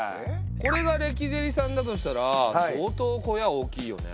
これがレキデリさんだとしたら相当小屋大きいよね。